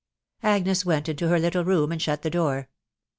"' Agnes went into her Bttle roma< and skat the ctoer.